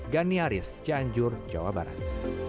ganiaris cianjur jawa barat